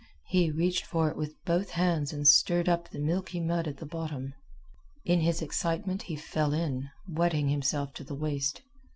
He reached for it with both hands and stirred up the milky mud at the bottom. In his excitement he fell in, wetting himself to the waist.